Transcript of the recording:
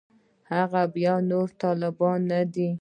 هغه خو بیا نور طالب نه دی